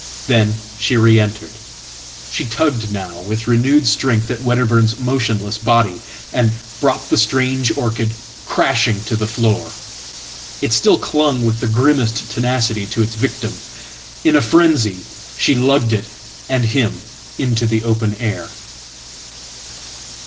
Then she re entered. She tugged now with renewed strength atWedderburn's motionless body, and brought the strange orchid crashing tothe floor. It still clung with the grimmest tenacity to its victim. In afrenzy, she lugged it and him into the open air.